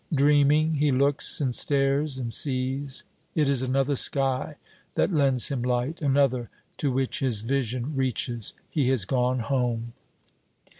Dreaming, he looks and stares and sees. It is another sky that lends him light, another to which his vision reaches. He has gone home.